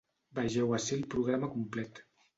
Vegeu ací el programa complet.